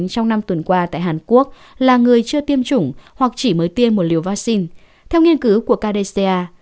trong năm tuần qua tại hàn quốc là người chưa tiêm chủng hoặc chỉ mới tiêm một liều vaccine theo nghiên cứu của indonesia